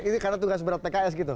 ini karena tugas berat pks gitu